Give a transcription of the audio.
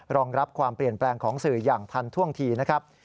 รองรับความเปลี่ยนแปลงของสื่ออย่างทันท่วงทีนะครับ